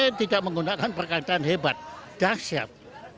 tapi saya menggunakan kata kata yang hebat dahsyat